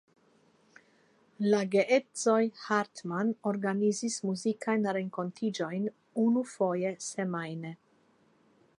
La geedzoj Hartmann organizis muzikajn renkontiĝojn unufoje semajne.